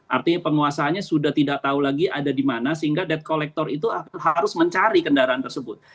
artinya penguasanya sudah tidak tahu lagi ada di mana sehingga debt collector itu harus mencari kendaraan tersebut